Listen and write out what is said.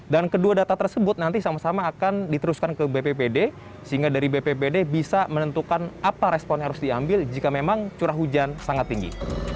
dan kedua data tersebut nanti sama sama akan diteruskan ke bppd sehingga dari bppd bisa menentukan apa respon yang harus diambil jika memang curah hujan sangat tinggi